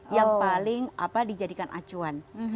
yang paling dijadikan acuan